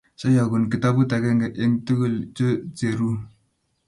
soyokun kitabut agenge eng tugul cho cheruu